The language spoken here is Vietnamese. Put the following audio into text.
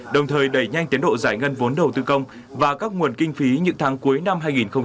đồng thời đẩy nhanh tiến độ giải ngân vốn đầu tư công và các nguồn kinh phí những tháng cuối năm hai nghìn hai mươi